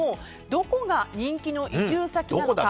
どこが人気の移住先なのか。